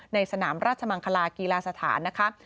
ในสนามราชมังคลากีฬาสถานนะคะ